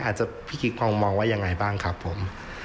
พี่คิกพองมองว่ายังไงบ้างครับผม